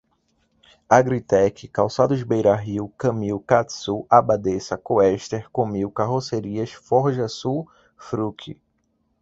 Agritech, Calçados Beira-Rio, Camil, Catsul, Abadessa, Coester, Comil, Carrocerias, Forjasul, Fruki